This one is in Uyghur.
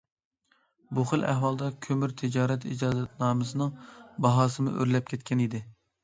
بۇ خىل ئەھۋالدا، كۆمۈر تىجارەت ئىجازەتنامىسىنىڭ باھاسىمۇ ئۆرلەپ كەتكەن ئىدى.